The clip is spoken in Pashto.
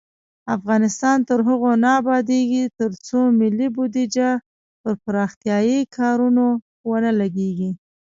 افغانستان تر هغو نه ابادیږي، ترڅو ملي بودیجه پر پراختیايي کارونو ونه لګیږي.